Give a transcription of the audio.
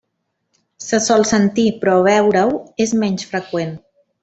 Se sol sentir, però veure-ho és menys freqüent.